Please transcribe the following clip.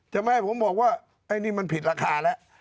ใช่ไหมผมบอกว่าไอ้นี่มันผิดราคาแล้ว